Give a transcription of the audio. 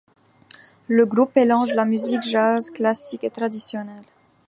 Le groupe mélange la musique jazz, classique et traditionnelle.